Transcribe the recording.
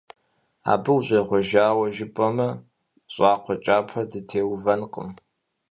Абы ущӀегъуэжауэ жепӀэмэ, щӀакӀуэ кӀапэ дытеувэнкъым.